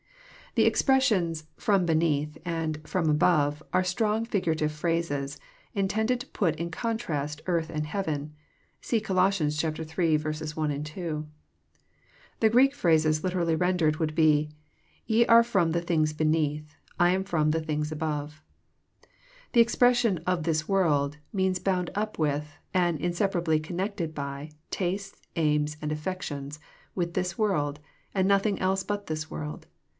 Tbe expressions *'fVom beneath" and *^trom above" nrc strong figuratlTe phrases, intended to put in contrast earth and heaven. (See Col. iii. 1,2.) The Greek phrases literally ren dered would be, —Ye are ftom the things beneath : I am from the things above. The expression " of this world " means bound up with, and inseparably connected by, tastes, aims, and affections, with this world, and nothing else but this world.